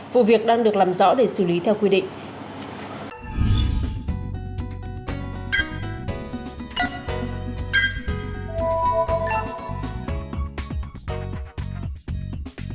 vụ việc đang được làm rõ để xử lý theo quy định